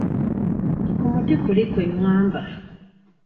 Ku muti guli kwe ŋŋamba.